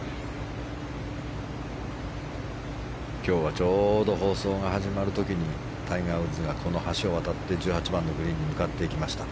今日はちょうど放送が始まる時にタイガー・ウッズがこの橋を渡って１８番のグリーンに向かっていきました。